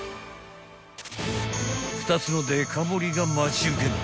［２つのデカ盛りが待ち受ける！